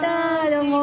どうも。